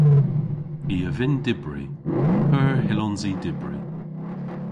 I a vynn dybri. P'eur hyllons i dybri?